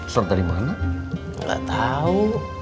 catrim anak gatau